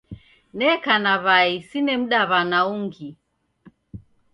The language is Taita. Neka na w'ai sine mdaw'ana ungi.